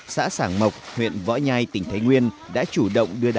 xã sản mộc huyện võ nhai tỉnh thái nguyên đã chủ động đưa đàn